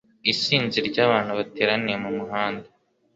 Isinzi ryabantu bateraniye mumuhanda.